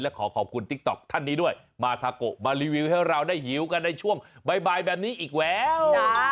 ขอขอบคุณติ๊กต๊อกท่านนี้ด้วยมาทาโกะมารีวิวให้เราได้หิวกันในช่วงบ่ายแบบนี้อีกแล้ว